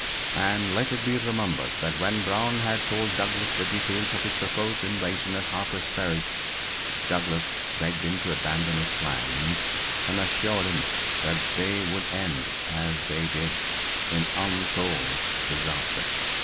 And let it be remembered that when Brown had told Douglass the details of his proposed invasion at Harper's Ferry, Douglass begged him to abandon his plans and assured him that they would end, as they did, in untold disaster.